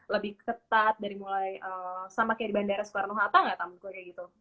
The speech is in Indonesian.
lebih ketat dari mulai sama kayak di bandara soekarno hatta gak tamu gue kayak gitu